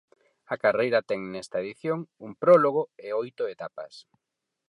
A carreira ten nesta edición un prólogo e oito etapas.